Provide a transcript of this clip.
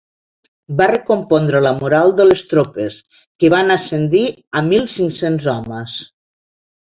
Va recompondre la moral de les tropes, que van ascendir a mil cinc-cents homes.